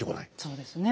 そうですね。